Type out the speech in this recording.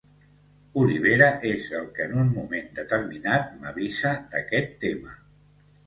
Olivera és el que en un moment determinat m’avisa d’aquest tema.